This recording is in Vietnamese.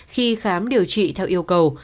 khi khám điều trị theo yêu cầu